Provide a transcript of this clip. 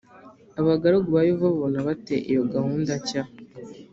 Abagaragu ba Yehova babona bate iyo gahunda nshya